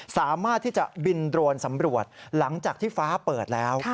สามารถที่จะบินโดรนสำรวจหลังจากที่ฟ้าเปิดแล้ว